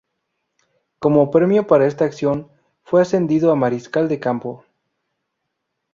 Como premio por esta acción fue ascendido a mariscal de campo.